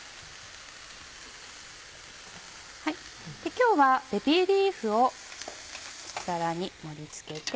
今日はベビーリーフを皿に盛り付けて。